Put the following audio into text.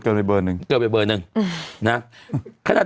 เป็นการกระตุ้นการไหลเวียนของเลือด